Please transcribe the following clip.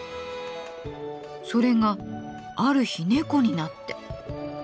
それがある日猫になって。